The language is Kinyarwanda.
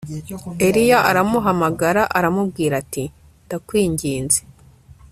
Eliya aramuhamagara aramubwira ati Ndakwinginze